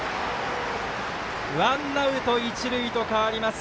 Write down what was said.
ワンアウト、一塁と変わります。